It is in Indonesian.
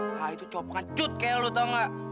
aa itu cowok pengacut kayaknya lu tau gak